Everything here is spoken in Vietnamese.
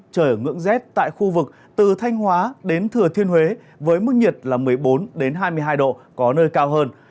trời ngưỡng rét tại khu vực từ thanh hóa đến thừa thiên huế với mức nhiệt là một mươi bốn hai mươi hai độ có nơi cao hơn